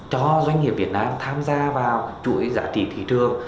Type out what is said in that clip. cho doanh nghiệp việt nam tham gia vào chuỗi giá trị thị trường